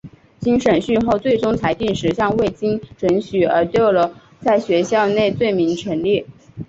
经审讯后最终裁定十项未经准许而逗留在学校内罪名成立。